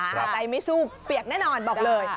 หัวใจไม่สู้เปียกแน่นอนบอกเลย